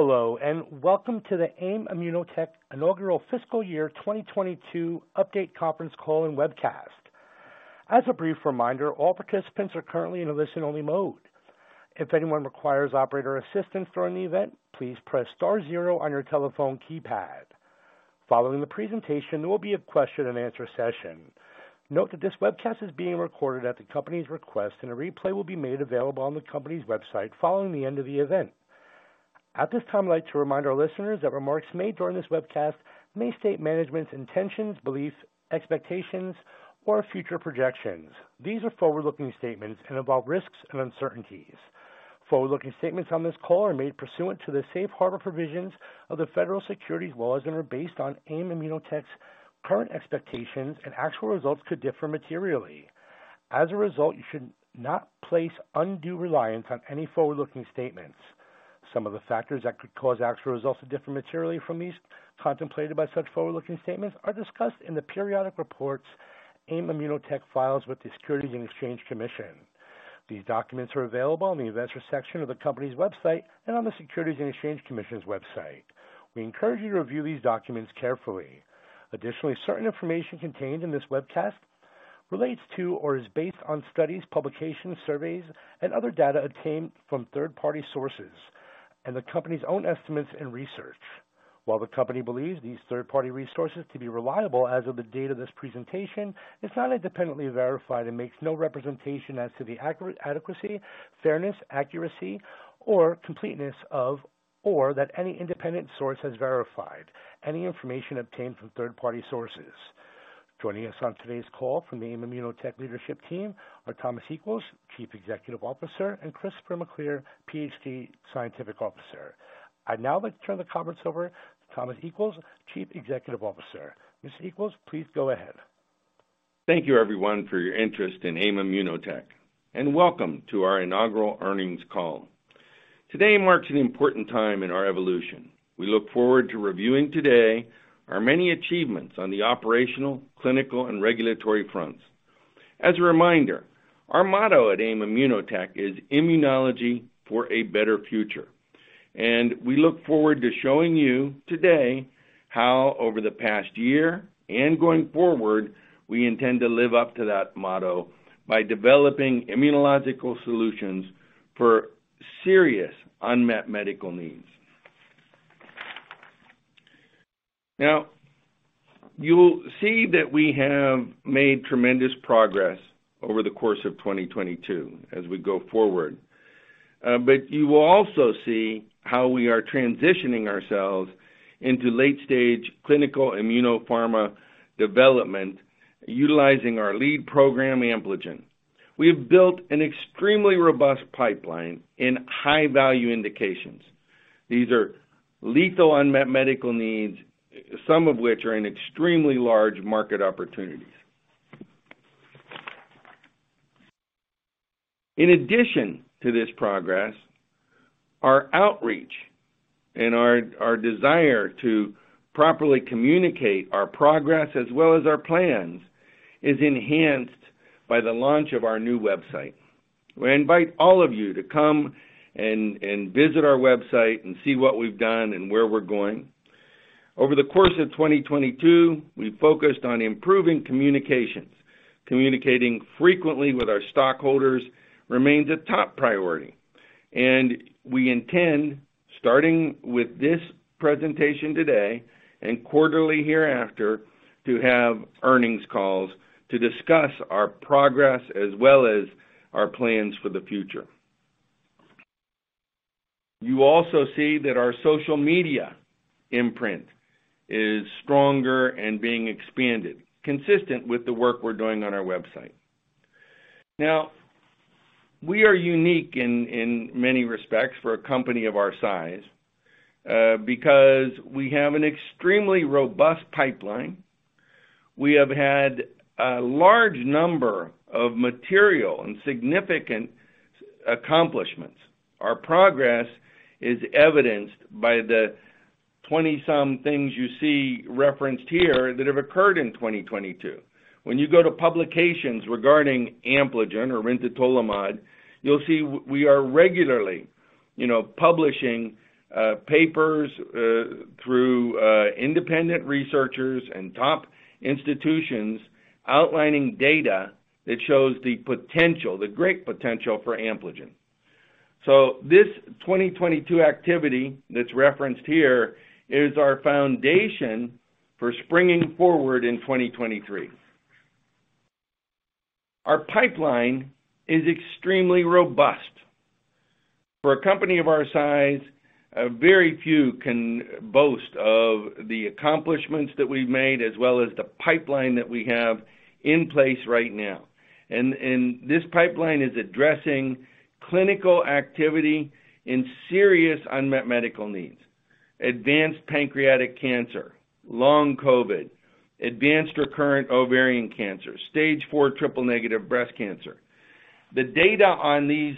Hello, welcome to the AIM ImmunoTech Inaugural Fiscal Year 2022 Update Conference Call and Webcast. As a brief reminder, all participants are currently in a listen-only mode. If anyone requires operator assistance during the event, please press star zero on your telephone keypad. Following the presentation, there will be a Q&A session. Note that this webcast is being recorded at the company's request, and a replay will be made available on the company's website following the end of the event. At this time, I'd like to remind our listeners that remarks made during this webcast may state management's intentions, beliefs, expectations, or future projections. These are forward-looking statements and involve risks and uncertainties. Forward-looking statements on this call are made pursuant to the safe harbor provisions of the Federal Securities Laws and are based on AIM ImmunoTech's current expectations and actual results could differ materially. As a result, you should not place undue reliance on any forward-looking statements. Some of the factors that could cause actual results to differ materially from these contemplated by such forward-looking statements are discussed in the periodic reports AIM ImmunoTech files with the Securities and Exchange Commission. These documents are available on the investor section of the company's website and on the Securities and Exchange Commission's website. We encourage you to review these documents carefully. Additionally, certain information contained in this webcast relates to or is based on studies, publications, surveys, and other data obtained from third-party sources and the company's own estimates and research. While the company believes these third-party resources to be reliable as of the date of this presentation, it's not independently verified and makes no representation as to the adequacy, fairness, accuracy, or completeness of, or that any independent source has verified any information obtained from third-party sources. Joining us on today's call from the AIM ImmunoTech leadership team are Thomas Equels, Chief Executive Officer, and Christopher McAleer, Ph.D., Scientific Officer. I'd now like to turn the conference over to Thomas Equels, Chief Executive Officer. Mr. Equels, please go ahead. Thank you, everyone, for your interest in AIM ImmunoTech, and welcome to our Inaugural Earnings Call. Today marks an important time in our evolution. We look forward to reviewing today our many achievements on the operational, clinical, and regulatory fronts. As a reminder, our motto at AIM ImmunoTech is Immunology for a Better Future, and we look forward to showing you today how over the past year and going forward, we intend to live up to that motto by developing immunological solutions for serious unmet medical needs. You'll see that we have made tremendous progress over the course of 2022 as we go forward, but you will also see how we are transitioning ourselves into late-stage clinical immunopharma development utilizing our lead program, Ampligen. We have built an extremely robust pipeline in high-value indications. These are lethal unmet medical needs, some of which are in extremely large market opportunities. In addition to this progress, our outreach and our desire to properly communicate our progress as well as our plans is enhanced by the launch of our new website. We invite all of you to come and visit our website and see what we've done and where we're going. Over the course of 2022, we focused on improving communications. Communicating frequently with our stockholders remains a top priority. We intend, starting with this presentation today and quarterly hereafter, to have earnings calls to discuss our progress as well as our plans for the future. You also see that our social media imprint is stronger and being expanded, consistent with the work we're doing on our website. We are unique in many respects for a company of our size because we have an extremely robust pipeline. We have had a large number of material and significant accomplishments. Our progress is evidenced by the 20-some things you see referenced here that have occurred in 2022. When you go to publications regarding Ampligen or rintatolimod, you'll see we are regularly, you know, publishing papers through independent researchers and top institutions outlining data that shows the potential, the great potential for Ampligen. This 2022 activity that's referenced here is our foundation for springing forward in 2023. Our pipeline is extremely robust. For a company of our size, a very few can boast of the accomplishments that we've made as well as the pipeline that we have in place right now. This pipeline is addressing clinical activity in serious unmet medical needs: advanced pancreatic cancer, Long COVID, advanced recurrent ovarian cancer, stage four triple-negative breast cancer. The data on these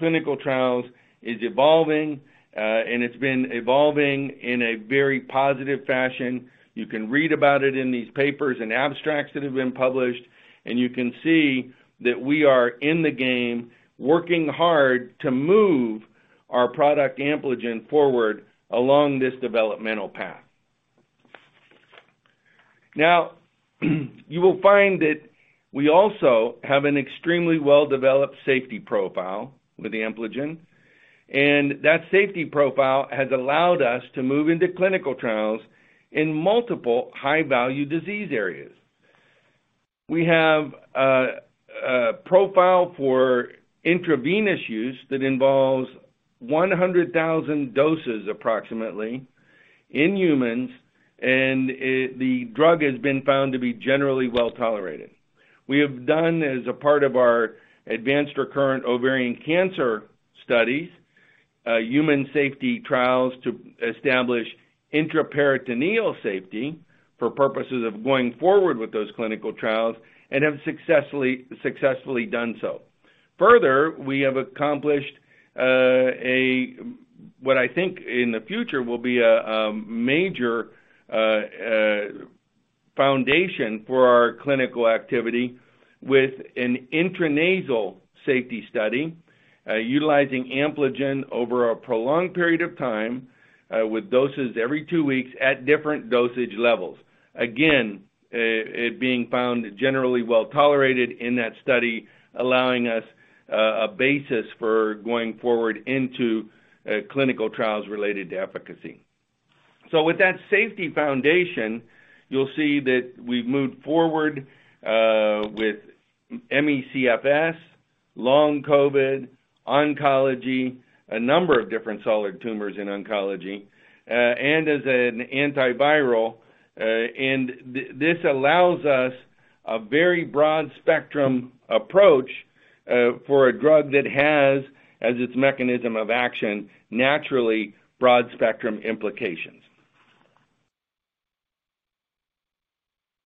clinical trials is evolving, and it's been evolving in a very positive fashion. You can read about it in these papers and abstracts that have been published, and you can see that we are in the game, working hard to move our product, Ampligen, forward along this developmental path. Now, you will find that we also have an extremely well-developed safety profile with Ampligen, and that safety profile has allowed us to move into clinical trials in multiple high-value disease areas. We have a profile for intravenous use that involves 100,000 doses approximately in humans, the drug has been found to be generally well-tolerated. We have done as a part of our advanced recurrent ovarian cancer studies, human safety trials to establish intraperitoneal safety for purposes of going forward with those clinical trials and have successfully done so. Further, we have accomplished, a, what I think in the future will be a major foundation for our clinical activity with an intranasal safety study, utilizing Ampligen over a prolonged period of time, with doses every two weeks at different dosage levels. Again, it being found generally well-tolerated in that study, allowing us, a basis for going forward into, clinical trials related to efficacy. With that safety foundation, you'll see that we've moved forward, with ME/CFS, Long COVID, oncology, a number of different solid tumors in oncology, and as an antiviral. This allows us a very broad spectrum approach for a drug that has, as its mechanism of action, naturally broad spectrum implications.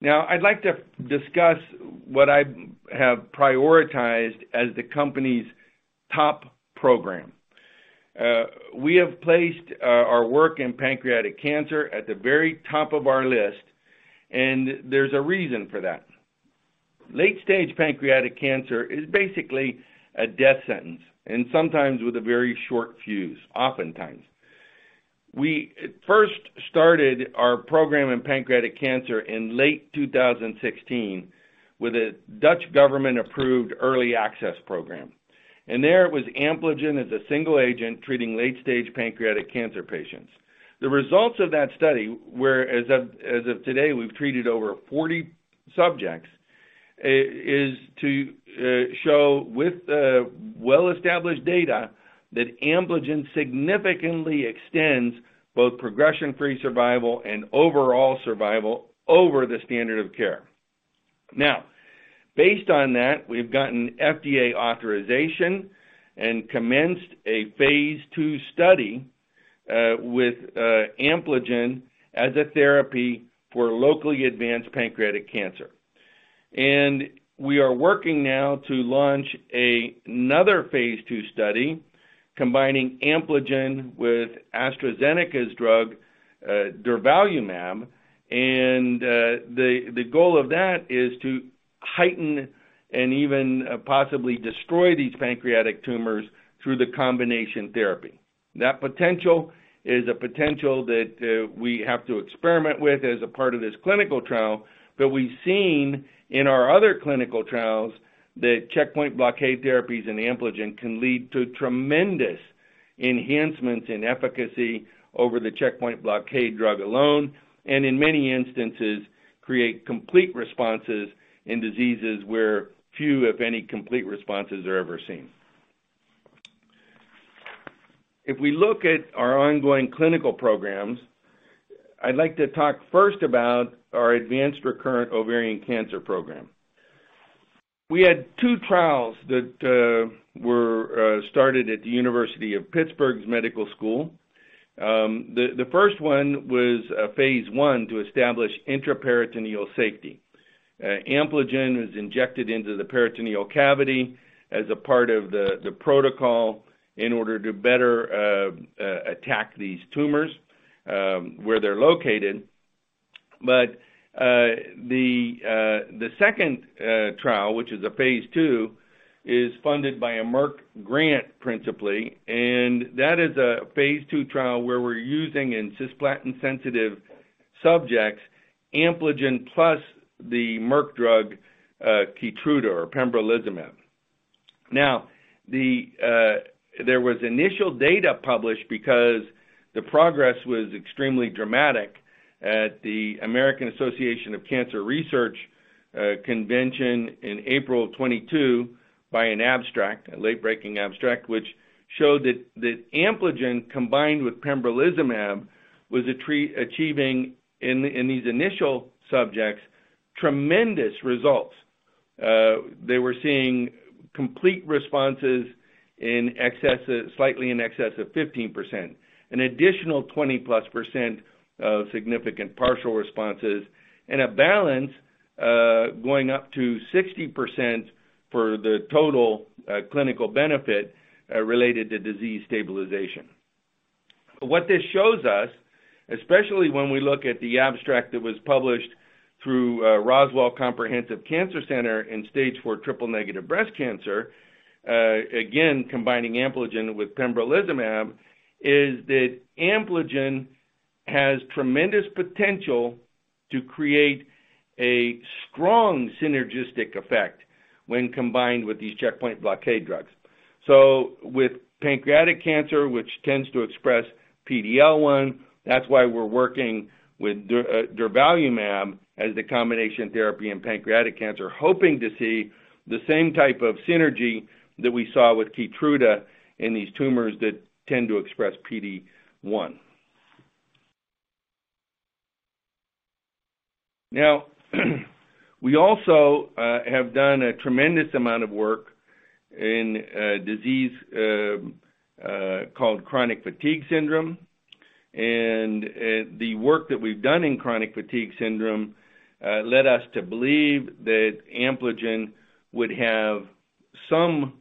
I'd like to discuss what I have prioritized as the company's top program. We have placed our work in pancreatic cancer at the very top of our list, and there's a reason for that. Late-stage pancreatic cancer is basically a death sentence, and sometimes with a very short fuse, oftentimes. We first started our program in pancreatic cancer in late 2016 with a Dutch government-approved early access program. There it was Ampligen as a single agent treating late-stage pancreatic cancer patients. The results of that study, where as of today we've treated over 40 subjects, is to show with well-established data that Ampligen significantly extends both progression-free survival and overall survival over the standard of care. Based on that, we've gotten FDA authorization and commenced a Phase II study with Ampligen as a therapy for locally advanced pancreatic cancer. We are working now to launch another Phase II study combining Ampligen with AstraZeneca's drug, durvalumab. The goal of that is to heighten and even possibly destroy these pancreatic tumors through the combination therapy. That potential is a potential that we have to experiment with as a part of this clinical trial, but we've seen in our other clinical trials that checkpoint blockade therapies in Ampligen can lead to tremendous enhancements in efficacy over the checkpoint blockade drug alone, and in many instances, create complete responses in diseases where few, if any, complete responses are ever seen. If we look at our ongoing clinical programs, I'd like to talk first about our advanced recurrent ovarian cancer program. We had two trials that were started at the University of Pittsburgh's Medical School. The first one was a phase 1 to establish intraperitoneal safety. Ampligen was injected into the peritoneal cavity as a part of the protocol in order to better attack these tumors, where they're located. The second trial, which is a Phase II, is funded by a Merck grant principally, and that is a Phase II trial where we're using in cisplatin-sensitive subjects Ampligen plus the Merck drug, Keytruda or pembrolizumab. The initial data published because the progress was extremely dramatic at the American Association for Cancer Research convention in April of 2022 by an abstract, a late-breaking abstract, which showed that Ampligen combined with pembrolizumab was achieving in these initial subjects, tremendous results. They were seeing complete responses in excess of slightly in excess of 15%, an additional 20%+ of significant partial responses, and a balance going up to 60% for the total clinical benefit related to disease stabilization. What this shows us, especially when we look at the abstract that was published through Roswell Park Comprehensive Cancer Center in stage four triple-negative breast cancer, again, combining Ampligen with pembrolizumab, is that Ampligen has tremendous potential to create a strong synergistic effect when combined with these checkpoint blockade drugs. With pancreatic cancer, which tends to express PD-L1, that's why we're working with durvalumab as the combination therapy in pancreatic cancer, hoping to see the same type of synergy that we saw with Keytruda in these tumors that tend to express PD-1. Now we also have done a tremendous amount of work in a disease called chronic fatigue syndrome. The work that we've done in chronic fatigue syndrome led us to believe that Ampligen would have some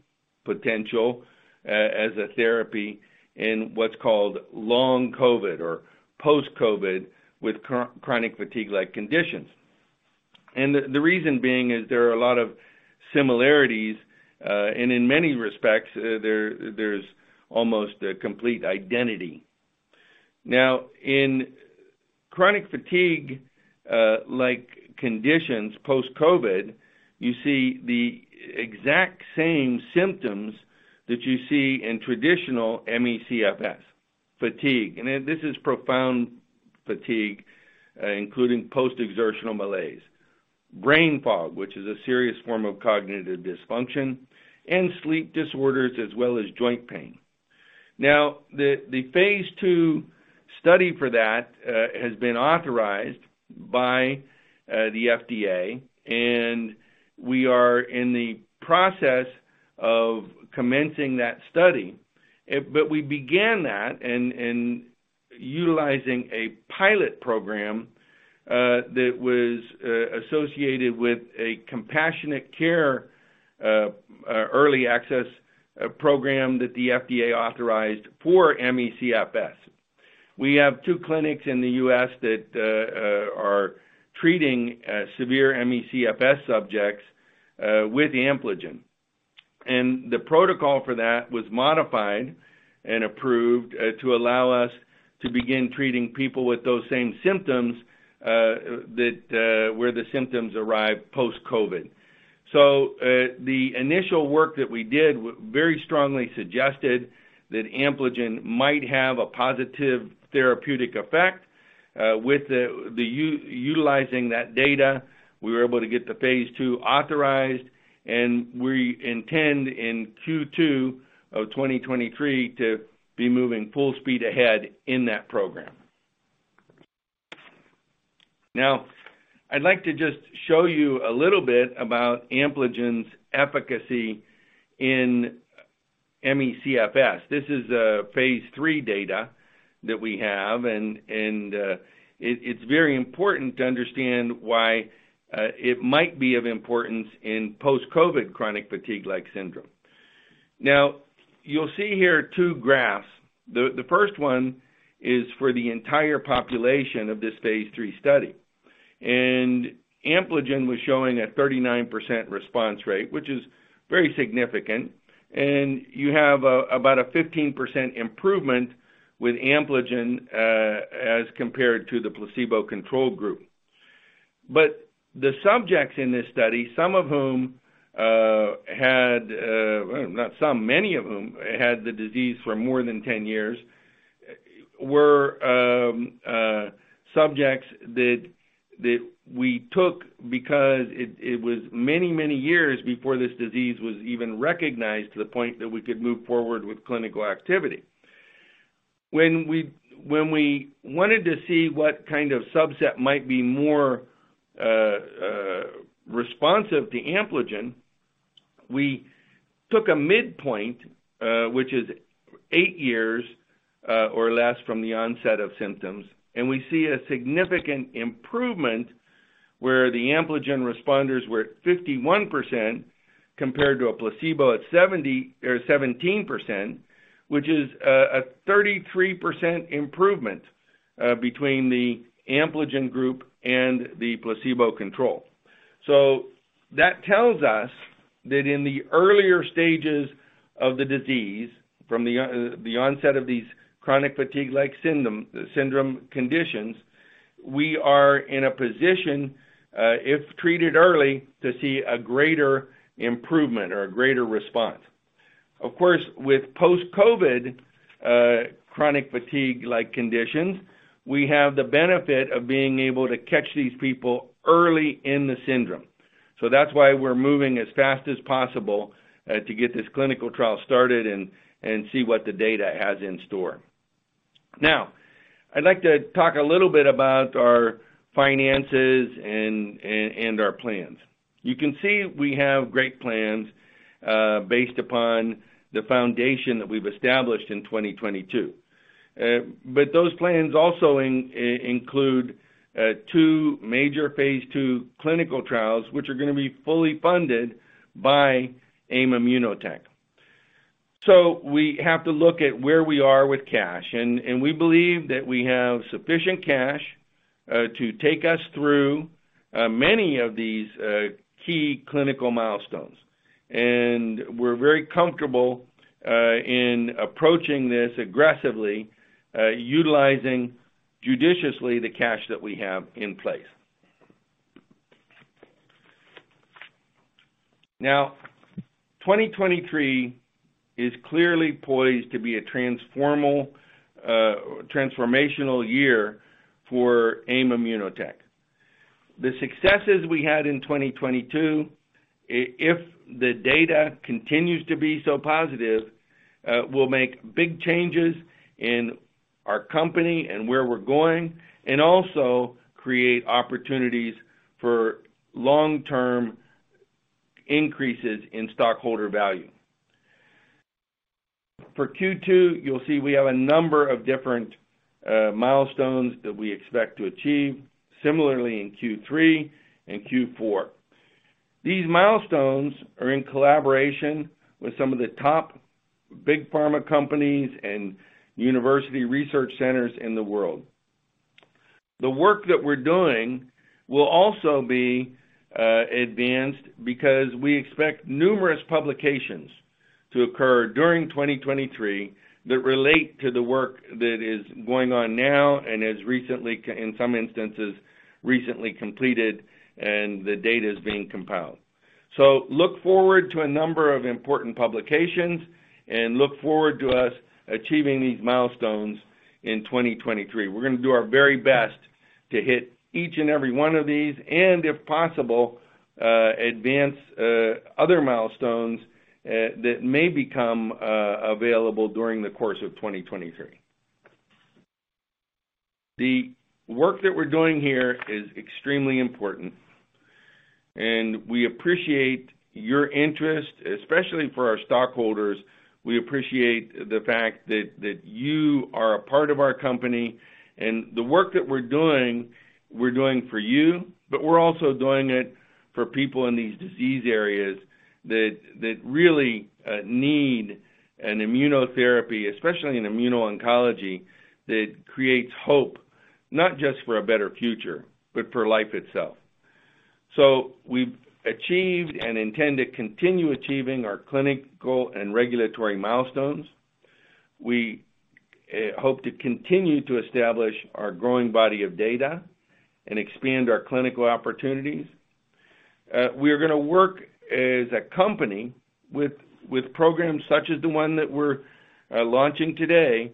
potential as a therapy in what's called Long COVID or post-COVID with chronic fatigue-like conditions. The reason being is there are a lot of similarities, and in many respects, there's almost a complete identity. In chronic fatigue like conditions post-COVID, you see the exact same symptoms that you see in traditional ME/CFS. Fatigue, and this is profound fatigue, including post-exertional malaise. Brain fog, which is a serious form of cognitive dysfunction, and sleep disorders, as well as joint pain. The Phase II study for that has been authorized by the FDA, and we are in the process of commencing that study. We began that in utilizing a pilot program that was associated with a compassionate care early access program that the FDA authorized for ME/CFS. We have 2 clinics in the U.S. that are treating severe ME/CFS subjects with Ampligen. The protocol for that was modified and approved to allow us to begin treating people with those same symptoms that where the symptoms arrive post-COVID. The initial work that we did very strongly suggested that Ampligen might have a positive therapeutic effect. With utilizing that data, we were able to get the Phase II authorized, and we intend in Q2 of 2023 to be moving full speed ahead in that program. I'd like to just show you a little bit about Ampligen's efficacy in ME/CFS. This is Phase III data that we have and it's very important to understand why it might be of importance in post-COVID chronic fatigue-like syndrome. You'll see here 2 graphs. The first one is for the entire population of this Phase III study. Ampligen was showing a 39% response rate, which is very significant. You have about a 15% improvement with Ampligen as compared to the placebo control group. The subjects in this study, many of whom had the disease for more than 10 years, were subjects that we took because it was many, many years before this disease was even recognized to the point that we could move forward with clinical activity. When we wanted to see what kind of subset might be more responsive to Ampligen, we took a midpoint, which is 8 years or less from the onset of symptoms, and we see a significant improvement where the Ampligen responders were at 51% compared to a placebo at 17%, which is a 33% improvement between the Ampligen group and the placebo control. That tells us that in the earlier stages of the disease, from the onset of these chronic fatigue-like syndrome conditions, we are in a position, if treated early, to see a greater improvement or a greater response. Of course, with post-COVID chronic fatigue-like conditions, we have the benefit of being able to catch these people early in the syndrome. That's why we're moving as fast as possible to get this clinical trial started and see what the data has in store. I'd like to talk a little bit about our finances and our plans. You can see we have great plans based upon the foundation that we've established in 2022. But those plans also include 2 major Phase II clinical trials, which are gonna be fully funded by AIM ImmunoTech. We have to look at where we are with cash, and we believe that we have sufficient cash to take us through many of these key clinical milestones. We're very comfortable in approaching this aggressively, utilizing judiciously the cash that we have in place. 2023 is clearly poised to be a transformational year for AIM ImmunoTech. The successes we had in 2022, if the data continues to be so positive, will make big changes in our company and where we're going, and also create opportunities for long-term increases in stockholder value. For Q2, you'll see we have a number of different milestones that we expect to achieve similarly in Q3 and Q4. These milestones are in collaboration with some of the top big pharma companies and university research centers in the world. The work that we're doing will also be advanced because we expect numerous publications to occur during 2023 that relate to the work that is going on now and is recently in some instances, recently completed, and the data is being compiled. Look forward to a number of important publications, and look forward to us achieving these milestones in 2023. We're gonna do our very best to hit each and every one of these and, if possible, advance other milestones that may become available during the course of 2023. The work that we're doing here is extremely important, and we appreciate your interest, especially for our stockholders. We appreciate the fact that you are a part of our company and the work that we're doing, we're doing for you, but we're also doing it for people in these disease areas that really need an immunotherapy, especially in immuno-oncology, that creates hope, not just for a better future, but for life itself. We've achieved and intend to continue achieving our clinical and regulatory milestones. We hope to continue to establish our growing body of data and expand our clinical opportunities. We are gonna work as a company with programs such as the one that we're launching today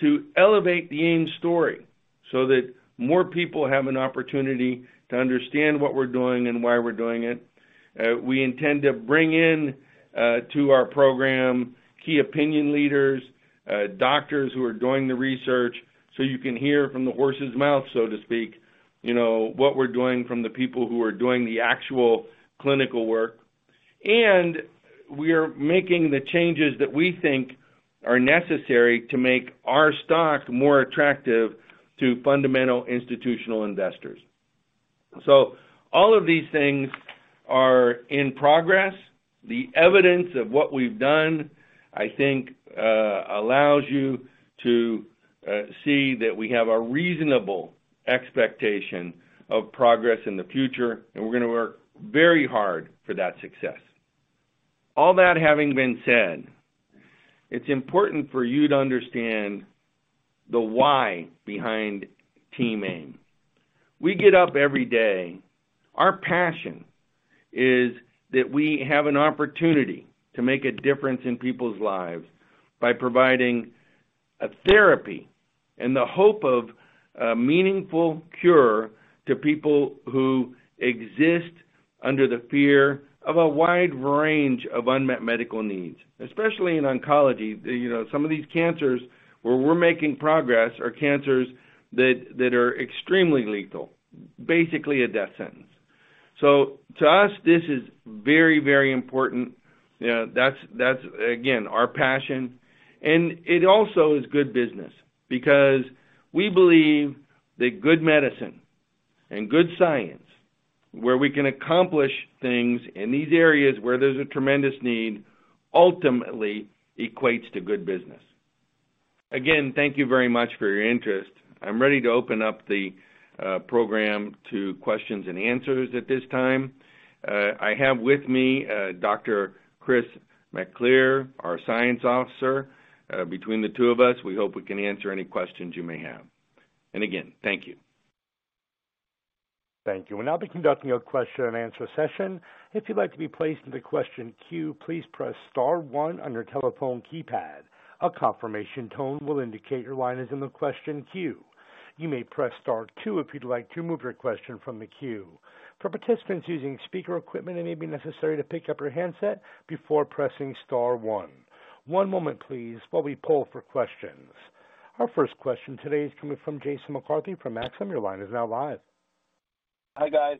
to elevate the AIM story so that more people have an opportunity to understand what we're doing and why we're doing it. We intend to bring in to our program key opinion leaders, doctors who are doing the research, so you can hear from the horse's mouth, so to speak, you know, what we're doing from the people who are doing the actual clinical work. We are making the changes that we think are necessary to make our stock more attractive to fundamental institutional investors. All of these things are in progress. The evidence of what we've done, I think, allows you to see that we have a reasonable expectation of progress in the future. We're gonna work very hard for that success. All that having been said, it's important for you to understand the why behind Team AIM. We get up every day. Our passion is that we have an opportunity to make a difference in people's lives by providing a therapy and the hope of a meaningful cure to people who exist under the fear of a wide range of unmet medical needs, especially in oncology. You know, some of these cancers where we're making progress are cancers that are extremely lethal, basically a death sentence. To us, this is very, very important. You know, that's again, our passion. It also is good business because we believe that good medicine and good science, where we can accomplish things in these areas where there's a tremendous need, ultimately equates to good business. Again, thank you very much for your interest. I'm ready to open up the program to questions and answers at this time. I have with me, Dr. Christopher McAleer, our Scientific Officer. Between the two of us, we hope we can answer any questions you may have. Again, thank you. Thank you. We'll now be conducting a Q&A session. If you'd like to be placed in the question queue, please press star one on your telephone keypad. A confirmation tone will indicate your line is in the question queue. You may press star two if you'd like to remove your question from the queue. For participants using speaker equipment, it may be necessary to pick up your handset before pressing star one. One moment please while we poll for questions. Our first question today is coming from Jason McCarthy from Maxim. Your line is now live. Hi, guys.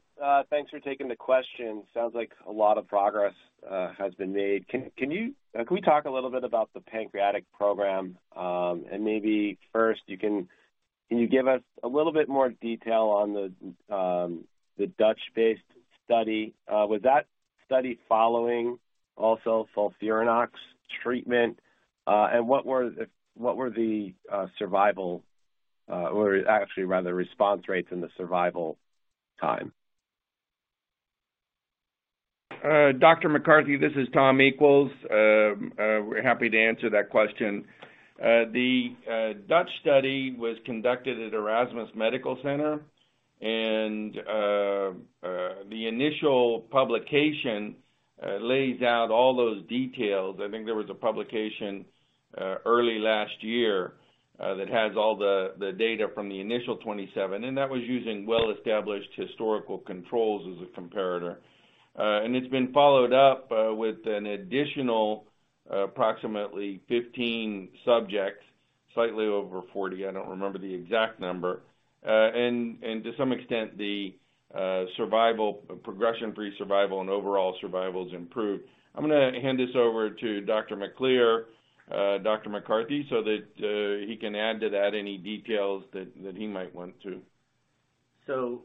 Thanks for taking the question. Sounds like a lot of progress has been made. Can you talk a little bit about the pancreatic program? Maybe first you can give us a little bit more detail on the Dutch-based study? Was that Study following also FOLFIRINOX treatment? What were the survival or actually rather response rates in the survival time? Dr. Jason McCarthy, this is Thomas Equels. We're happy to answer that question. The Dutch study was conducted at Erasmus MC, and the initial publication lays out all those details. I think there was a publication early last year that has all the data from the initial 27, and that was using well-established historical controls as a comparator. It's been followed up with an additional approximately 15 subjects, slightly over 40, I don't remember the exact number. To some extent, the survival, progression-free survival and overall survival has improved. I'm gonna hand this over to Dr. McAleer, Dr. Jason McCarthy, so that he can add to that any details that he might want to.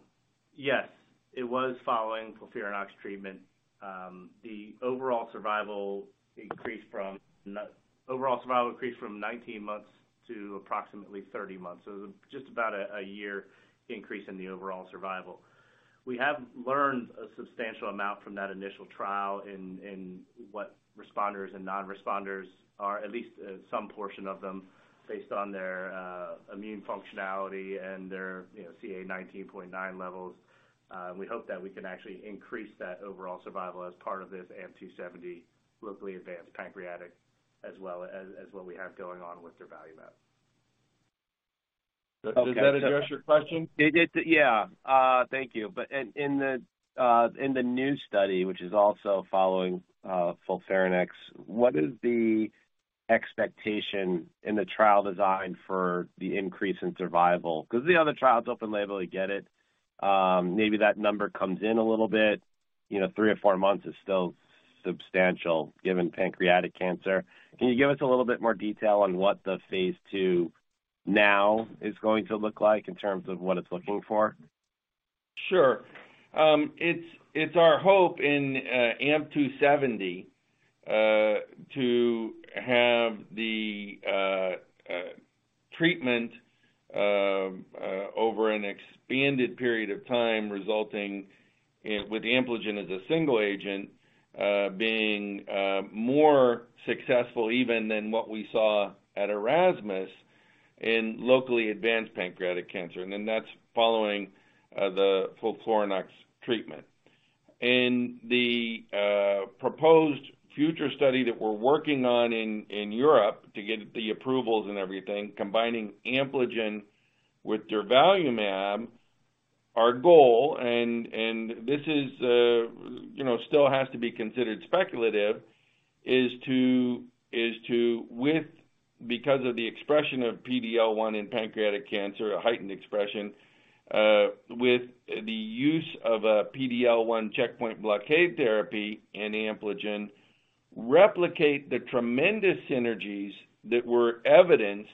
Yes, it was following FOLFIRINOX treatment. The overall survival increased from 19 months to approximately 30 months. Just about a year increase in the overall survival. We have learned a substantial amount from that initial trial in what responders and non-responders are, at least, some portion of them based on their immune functionality and their, you know, CA 19-9 levels. We hope that we can actually increase that overall survival as part of this AMP-270 locally advanced pancreatic, as well as what we have going on with durvalumab. Does that address your question? It did. Yeah. Thank you. In the new study, which is also following FOLFIRINOX, what is the expectation in the trial design for the increase in survival? 'Cause the other trial's open label, I get it. Maybe that number comes in a little bit, you know, three or four months is still substantial given pancreatic cancer. Can you give us a little bit more detail on what the Phase II now is going to look like in terms of what it's looking for? Sure. It's, it's our hope in AMP-270 to have the treatment over an expanded period of time resulting with Ampligen as a single agent, being more successful even than what we saw at Erasmus in locally advanced pancreatic cancer. That's following the FOLFIRINOX treatment. In the proposed future study that we're working on in Europe to get the approvals and everything, combining Ampligen with durvalumab, our goal and, this is, you know, still has to be considered speculative, is to with... because of the expression of PD-L1 in pancreatic cancer, a heightened expression, with the use of a PD-L1 checkpoint blockade therapy in Ampligen, replicate the tremendous synergies that were evidenced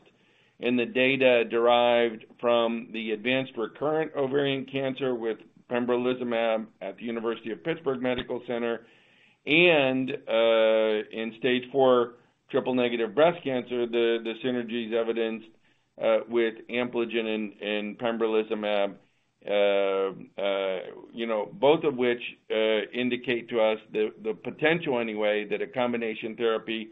in the data derived from the advanced recurrent ovarian cancer with pembrolizumab at the University of Pittsburgh Medical Center and, in stage four triple-negative breast cancer, the synergies evidenced, with Ampligen and pembrolizumab. you know, both of which, indicate to us the potential anyway that a combination therapy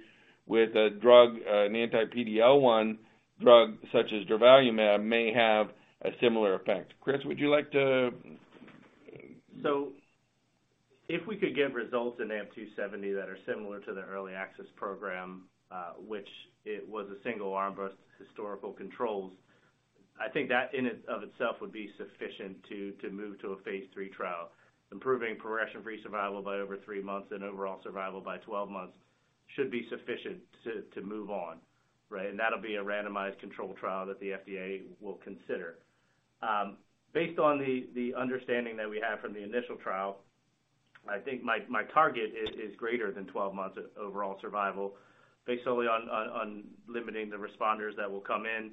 with a drug, an anti-PD-L1 drug such as durvalumab may have a similar effect. Chris, would you like to? If we could get results in AMP-270 that are similar to the early access program, which it was a single-arm versus historical controls, I think that in it of itself would be sufficient to move to a Phase III trial. Improving progression-free survival by over 3 months and overall survival by 12 months should be sufficient to move on, right? That'll be a randomized controlled trial that the FDA will consider. Based on the understanding that we have from the initial trial, I think my target is greater than 12 months of overall survival based solely on limiting the responders that will come in.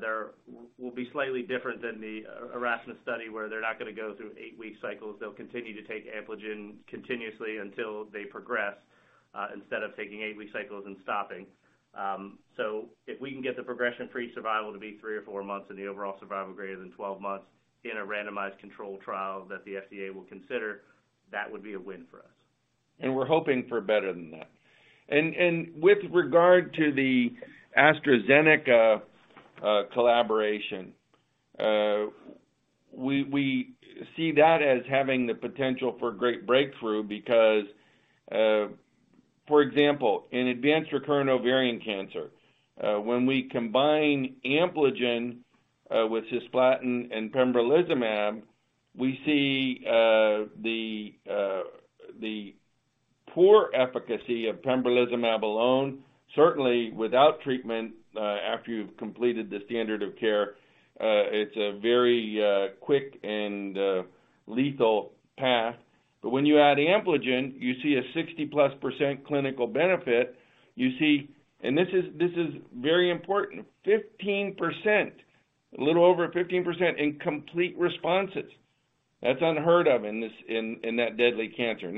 They will be slightly different than the Erasmus study, where they're not gonna go through 8-week cycles. They'll continue to take Ampligen continuously until they progress, instead of taking 8-week cycles and stopping. If we can get the progression-free survival to be 3 or 4 months and the overall survival greater than 12 months in a randomized controlled trial that the FDA will consider, that would be a win for us. We're hoping for better than that. With regard to the AstraZeneca collaboration, we see that as having the potential for great breakthrough because, for example, in advanced recurrent ovarian cancer, when we combine Ampligen with cisplatin and pembrolizumab, we see the poor efficacy of pembrolizumab alone. Certainly, without treatment, after you've completed the standard of care, it's a very quick and lethal path. When you add Ampligen, you see a 60+% clinical benefit. You see, and this is very important, a little over 15% in complete responses. That's unheard of in that deadly cancer.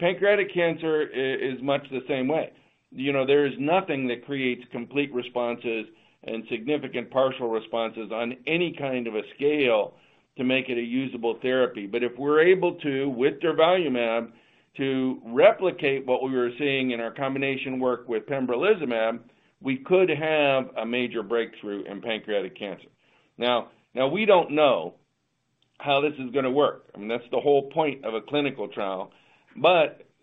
Pancreatic cancer is much the same way. You know, there is nothing that creates complete responses and significant partial responses on any kind of a scale to make it a usable therapy. If we're able to, with durvalumab, to replicate what we were seeing in our combination work with pembrolizumab, we could have a major breakthrough in pancreatic cancer. Now we don't know how this is gonna work. I mean, that's the whole point of a clinical trial.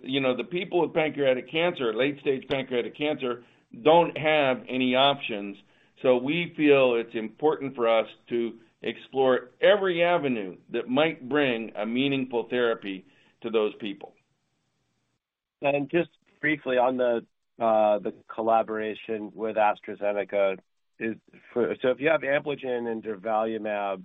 You know, the people with pancreatic cancer, late stage pancreatic cancer, don't have any options. We feel it's important for us to explore every avenue that might bring a meaningful therapy to those people. Just briefly on the collaboration with AstraZeneca is for... If you have Ampligen and durvalumab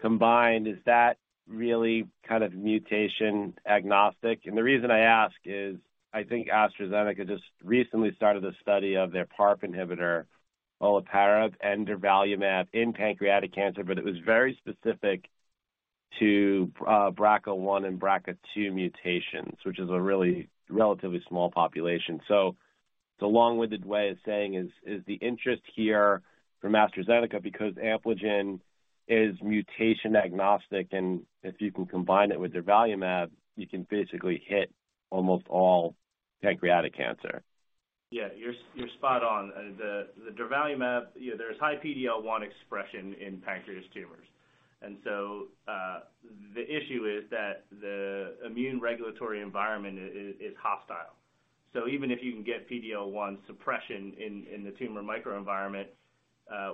combined, is that really kind of mutation agnostic? The reason I ask is I think AstraZeneca just recently started a study of their PARP inhibitor, olaparib, and durvalumab in pancreatic cancer, but it was very specific to BRCA1 and BRCA2 mutations, which is a really relatively small population. It's a long-winded way of saying is the interest here from AstraZeneca because Ampligen is mutation agnostic, and if you can combine it with durvalumab, you can basically hit almost all pancreatic cancer. Yeah. You're, you're spot on. The durvalumab, you know, there's high PD-L1 expression in pancreas tumors. The issue is that the immune regulatory environment is hostile. Even if you can get PD-L1 suppression in the tumor microenvironment,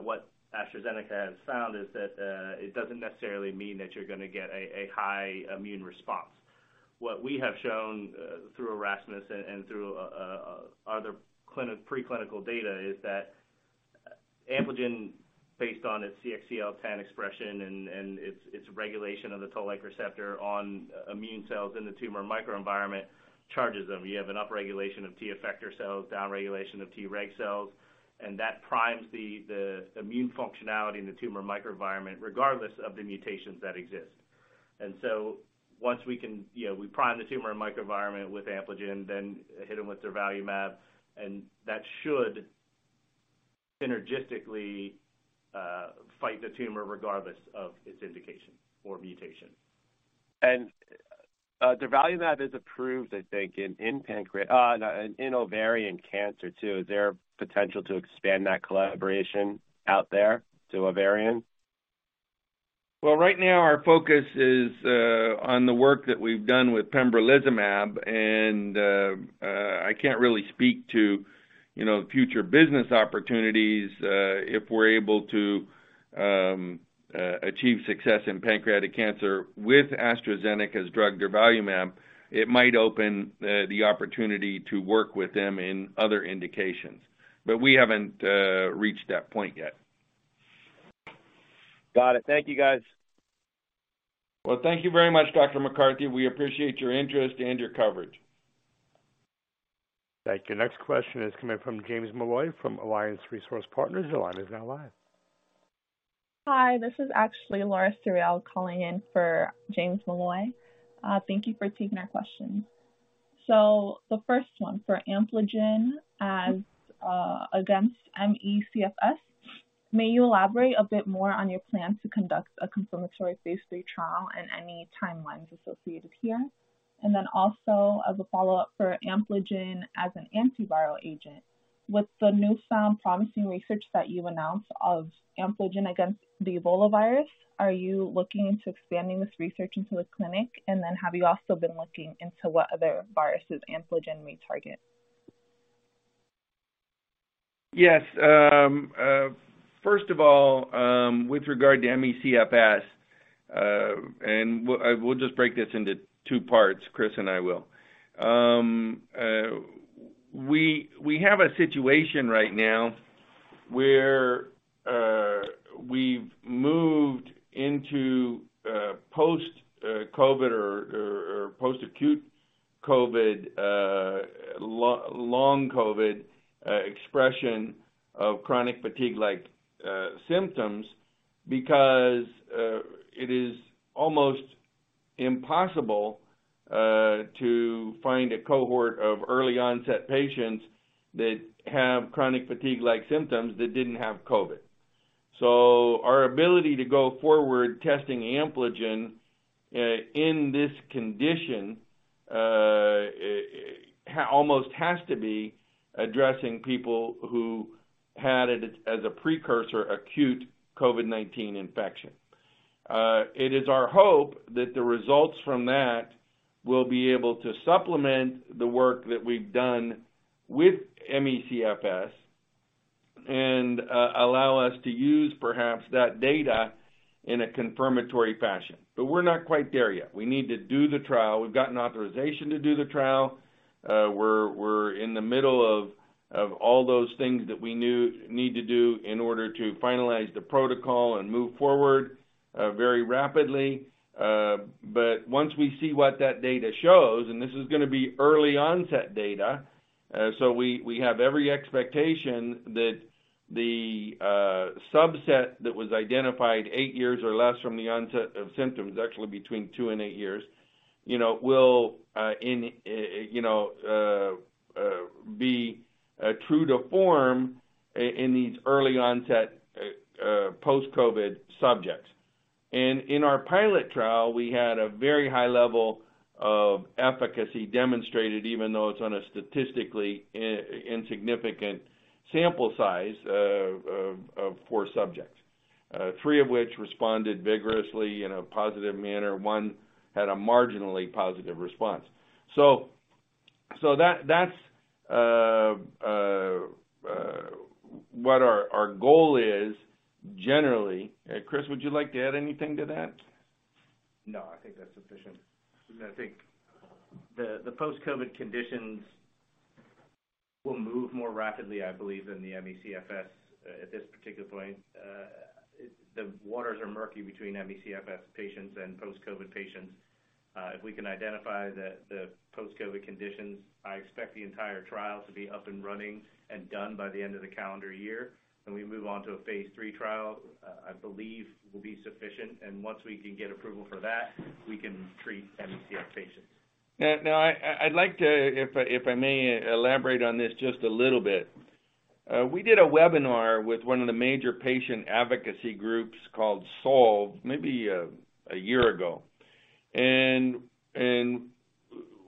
what AstraZeneca has found is that it doesn't necessarily mean that you're gonna get a high immune response. What we have shown through Erasmus and through preclinical data is that Ampligen, based on its CXCL10 expression and its regulation of the toll-like receptor on immune cells in the tumor microenvironment, charges them. You have an upregulation of T effector cells, downregulation of Treg cells, and that primes the immune functionality in the tumor microenvironment, regardless of the mutations that exist. Once we can, you know, we prime the tumor microenvironment with Ampligen, then hit 'em with durvalumab, and that should synergistically fight the tumor regardless of its indication or mutation. durvalumab is approved, I think, in ovarian cancer too. Is there potential to expand that collaboration out there to ovarian? Well, right now our focus is on the work that we've done with pembrolizumab. I can't really speak to, you know, future business opportunities. If we're able to achieve success in pancreatic cancer with AstraZeneca's drug durvalumab, it might open the opportunity to work with them in other indications. We haven't reached that point yet. Got it. Thank you, guys. Well, thank you very much, Dr. McCarthy. We appreciate your interest and your coverage. Thank you. Next question is coming from James Molloy from Alliance Global Partners. Your line is now live. Hi, this is actually Laura Suriel calling in for James Molloy. Thank you for taking our questions. The first one for Ampligen as against ME/CFS. May you elaborate a bit more on your plan to conduct a confirmatory Phase III trial and any timelines associated here? Also as a follow-up for Ampligen as an antiviral agent, with the newfound promising research that you announced of Ampligen against the Ebola virus, are you looking into expanding this research into a clinic? Have you also been looking into what other viruses Ampligen may target? Yes. First of all, with regard to ME/CFS, we'll just break this into two parts, Christopher McAleer and I will. We have a situation right now where we've moved into post-COVID or post-acute COVID, Long COVID, expression of chronic fatigue-like symptoms because it is almost impossible to find a cohort of early-onset patients that have chronic fatigue-like symptoms that didn't have COVID. Our ability to go forward testing Ampligen in this condition almost has to be addressing people who had it as a precursor, acute COVID-19 infection. It is our hope that the results from that will be able to supplement the work that we've done with ME/CFS and allow us to use perhaps that data in a confirmatory fashion. We're not quite there yet. We need to do the trial. We've gotten authorization to do the trial. We're in the middle of all those things that we need to do in order to finalize the protocol and move forward very rapidly. Once we see what that data shows, and this is gonna be early onset data, so we have every expectation that the subset that was identified eight years or less from the onset of symptoms, actually between two and eight years, you know, will, you know, be true to form in these early onset post-COVID subjects. In our pilot trial, we had a very high level of efficacy demonstrated even though it's on a statistically insignificant sample size of 4 subjects, 3 of which responded vigorously in a positive manner, 1 had a marginally positive response. That's what our goal is generally. Chris, would you like to add anything to that? No, I think that's sufficient. I think the post-COVID conditions will move more rapidly, I believe, than the ME/CFS at this particular point. The waters are murky between ME/CFS patients and post-COVID patients. If we can identify the post-COVID conditions, I expect the entire trial to be up and running and done by the end of the calendar year. When we move on to a Phase III trial, I believe will be sufficient. Once we can get approval for that, we can treat ME/CFS patients. Now I'd like to, if I may elaborate on this just a little bit. We did a webinar with one of the major patient advocacy groups called Solve, maybe a year ago.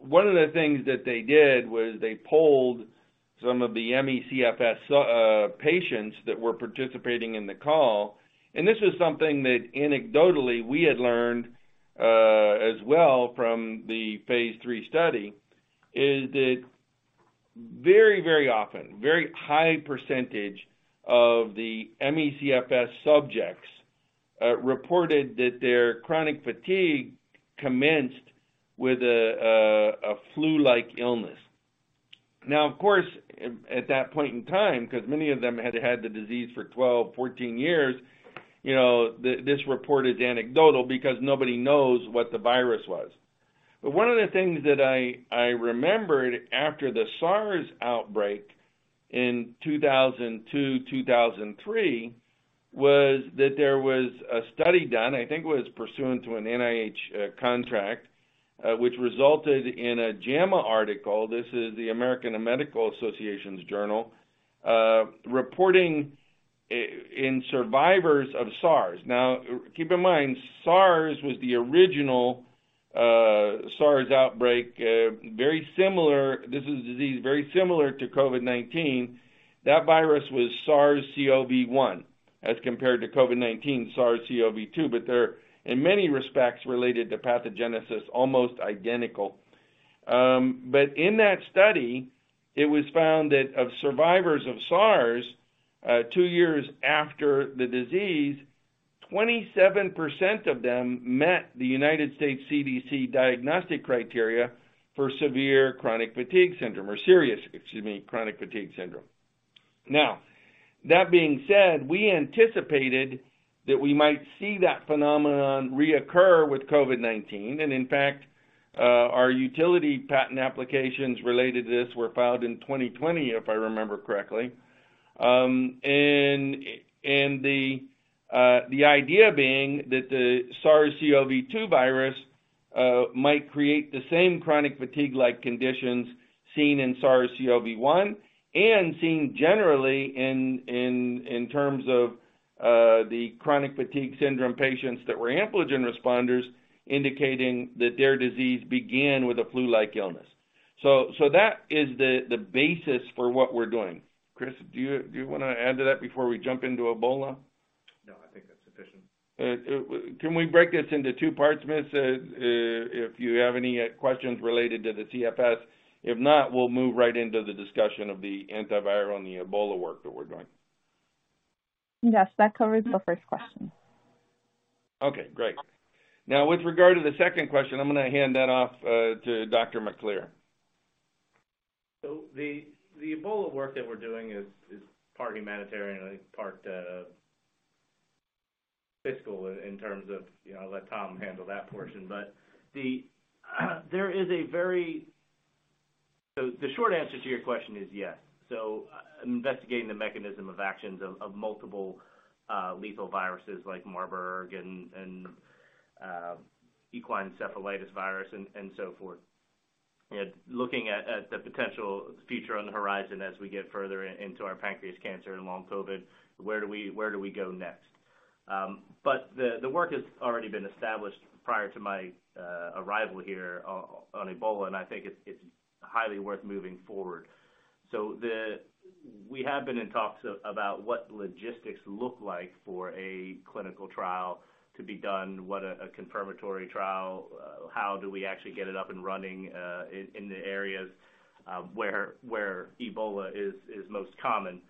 One of the things that they did was they polled some of the ME/CFS patients that were participating in the call. This was something that anecdotally we had learned as well from the Phase III study, is that very often, very high percentage of the ME/CFS subjects reported that their chronic fatigue commenced with a flu-like illness. Of course, at that point in time, because many of them had had the disease for 12, 14 years, you know, this report is anecdotal because nobody knows what the virus was. One of the things that I remembered after the SARS outbreak in 2002, 2003 was that there was a study done, I think it was pursuant to an NIH contract, which resulted in a JAMA article, this is the American Medical Association's journal, reporting in survivors of SARS. Now, keep in mind, SARS was the original SARS outbreak, this is a disease very similar to COVID-19. That virus was SARS-CoV-1 as compared to COVID-19, SARS-CoV-2. They're, in many respects related to pathogenesis, almost identical. In that study, it was found that of survivors of SARS, two years after the disease, 27% of them met the U.S. CDC diagnostic criteria for severe chronic fatigue syndrome or serious, excuse me, chronic fatigue syndrome. That being said, we anticipated that we might see that phenomenon reoccur with COVID-19. In fact, our utility patent applications related to this were filed in 2020, if I remember correctly. The idea being that the SARS-CoV-2 virus might create the same chronic fatigue-like conditions seen in SARS-CoV-1 and seen generally in terms of the chronic fatigue syndrome patients that were Ampligen responders, indicating that their disease began with a flu-like illness. That is the basis for what we're doing. Chris, do you wanna add to that before we jump into Ebola? No, I think that's sufficient. Can we break this into two parts, Miss? If you have any questions related to the CFS. If not, we'll move right into the discussion of the antiviral and the Ebola work that we're doing. Yes, that covers the first question. Okay, great. Now, with regard to the second question, I'm gonna hand that off to Dr. McAleer. The Ebola work that we're doing is part humanitarian, I think part fiscal in terms of, you know, I'll let Tom handle that portion. There is a very. The short answer to your question is yes. Investigating the mechanism of actions of multiple lethal viruses like Marburg and equine encephalitis virus and so forth. You know, looking at the potential future on the horizon as we get further into our pancreas cancer and long COVID, where do we, where do we go next? The work has already been established prior to my arrival here on Ebola, and I think it's highly worth moving forward. We have been in talks about what logistics look like for a clinical trial to be done, what a confirmatory trial, how do we actually get it up and running in the areas where Ebola is most common.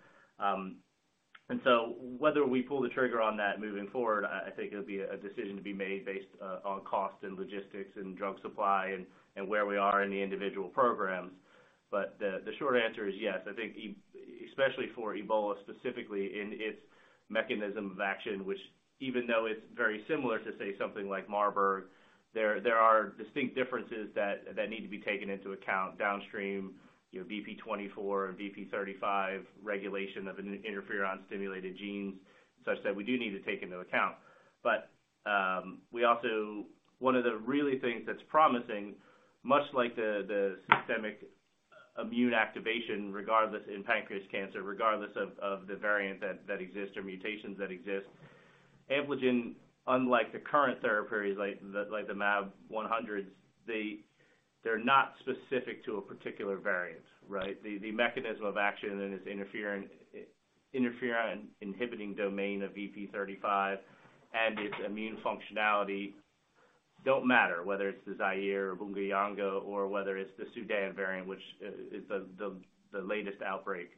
Whether we pull the trigger on that moving forward, I think it'll be a decision to be made based on cost and logistics and drug supply and where we are in the individual programs. The short answer is yes. I think especially for Ebola specifically in its mechanism of action, which even though it's very similar to, say, something like Marburg, there are distinct differences that need to be taken into account downstream. You know, VP24 and VP35 regulation of an interferon-stimulated genes such that we do need to take into account. We also... One of the really things that's promising, much like the systemic immune activation, regardless in pancreas cancer, regardless of the variant that exists or mutations that exist, Ampligen, unlike the current therapies like the mAb one hundreds, they're not specific to a particular variant, right? The mechanism of action and its interferon inhibiting domain of VP35 and its immune functionality don't matter whether it's the Zaire or Bundibugyo or whether it's the Sudan variant, which is the latest outbreak.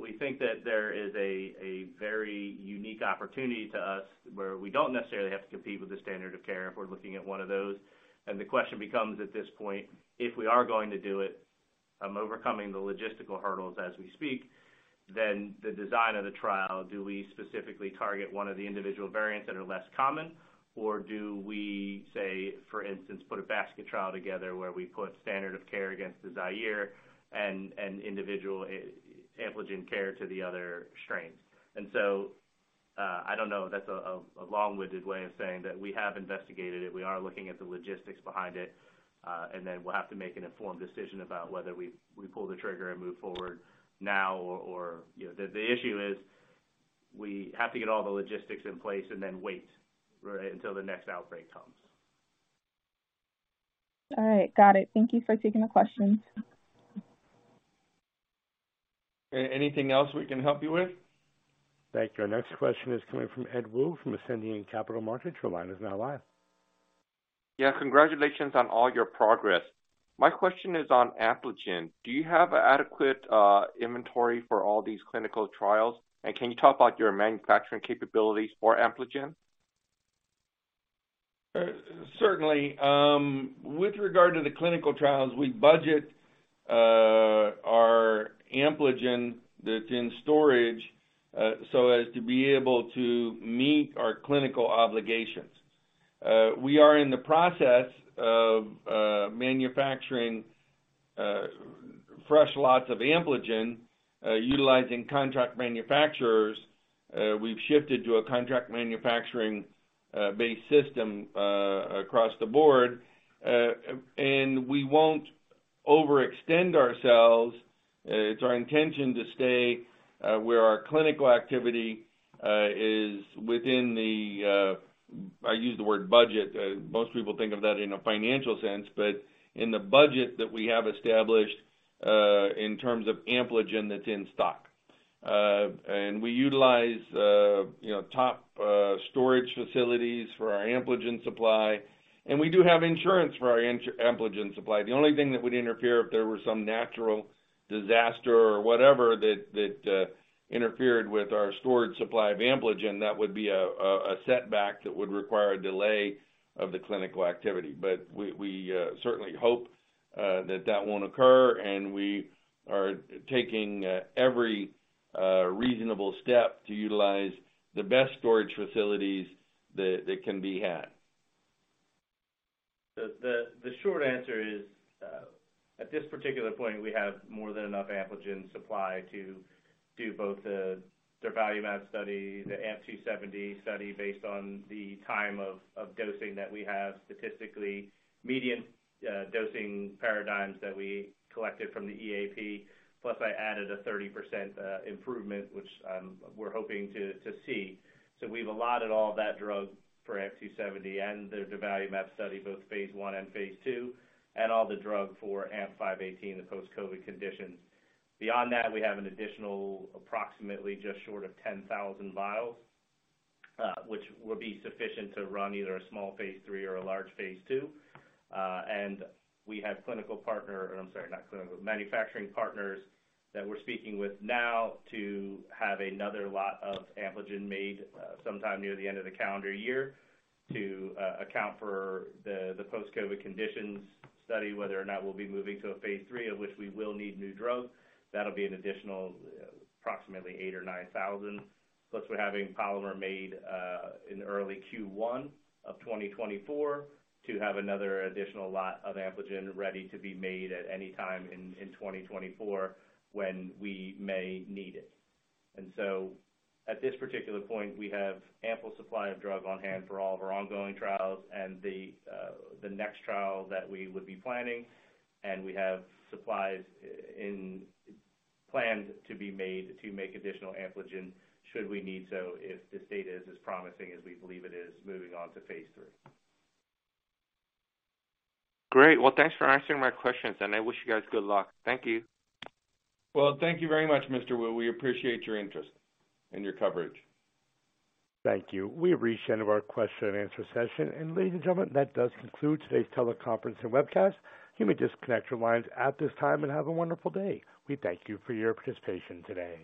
We think that there is a very unique opportunity to us where we don't necessarily have to compete with the standard of care if we're looking at one of those. The question becomes, at this point, if we are going to do it, I'm overcoming the logistical hurdles as we speak, then the design of the trial, do we specifically target one of the individual variants that are less common, or do we say, for instance, put a basket trial together where we put standard of care against the Zaire and individual Ampligen care to the other strains? I don't know. That's a long-winded way of saying that we have investigated it. We are looking at the logistics behind it, and then we'll have to make an informed decision about whether we pull the trigger and move forward now or, you know. The issue is we have to get all the logistics in place and then wait, right, until the next outbreak comes. All right. Got it. Thank you for taking the questions. Anything else we can help you with? Thank you. Our next question is coming from Ed Woo from Ascendiant Capital Markets. Your line is now live. Yeah. Congratulations on all your progress. My question is on Ampligen. Do you have adequate inventory for all these clinical trials? Can you talk about your manufacturing capabilities for Ampligen? Certainly. With regard to the clinical trials, we budget our Ampligen that's in storage, so as to be able to meet our clinical obligations. We are in the process of manufacturing fresh lots of Ampligen, utilizing contract manufacturers. We've shifted to a contract manufacturing based system across the board. We won't overextend ourselves. It's our intention to stay where our clinical activity is within the, I use the word budget, most people think of that in a financial sense, but in the budget that we have established, in terms of Ampligen that's in stock. We utilize, you know, top storage facilities for our Ampligen supply. We do have insurance for our Ampligen supply. The only thing that would interfere if there were some natural disaster or whatever, that interfered with our storage supply of Ampligen, that would be a setback that would require a delay of the clinical activity. We certainly hope that that won't occur. We are taking every reasonable step to utilize the best storage facilities that can be had. The short answer is, at this particular point, we have more than enough Ampligen supply to do both the durvalumab study, the AMP-270 study, based on the time of dosing that we have statistically median dosing paradigms that we collected from the EAP. I added a 30% improvement, which we're hoping to see. We've allotted all that drug for AMP-270 and the durvalumab study, both Phase I and Phase II, and all the drug for AMP-518, the post-COVID conditions. Beyond that, we have an additional approximately just short of 10,000 vials, which will be sufficient to run either a small Phase III or a large Phase II. We have clinical partner... I'm sorry, not clinical, manufacturing partners that we're speaking with now to have another lot of Ampligen made sometime near the end of the calendar year to account for the post-COVID conditions study, whether or not we'll be moving to a Phase III, of which we will need new drugs. That'll be an additional approximately 8,000 or 9,000. Plus we're having polymer made in early Q1 of 2024 to have another additional lot of Ampligen ready to be made at any time in 2024 when we may need it. At this particular point, we have ample supply of drug on hand for all of our ongoing trials and the next trial that we would be planning. We have supplies in plan to be made to make additional Ampligen should we need so if this data is as promising as we believe it is moving on to Phase III. Great. Well, thanks for answering my questions and I wish you guys good luck. Thank you. Well, thank you very much, Mr. Woo. We appreciate your interest and your coverage. Thank you. We've reached the end of our Q&A session. Ladies and gentlemen, that does conclude today's teleconference and webcast. You may disconnect your lines at this time and have a wonderful day. We thank you for your participation today.